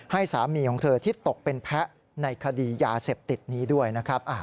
ให้สามีของเธอที่ตกเป็นแพ้ในคดียาเสพติดนี้ด้วยนะครับ